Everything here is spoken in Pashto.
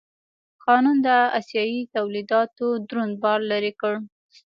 قانون د اسیايي تولیداتو دروند بار لرې کړ.